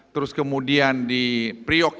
terus kemudian di priok